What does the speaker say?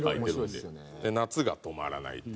で『夏がとまらない』っていう。